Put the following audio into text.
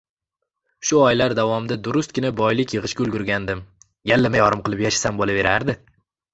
Shu oylar davomida durustgina boylik yig`ishga ulgurgandim, yallama-yorim qilib yashasam bo`laverardi